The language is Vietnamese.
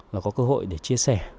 là có cơ hội để chia sẻ